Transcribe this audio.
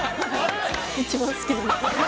一番好きなので。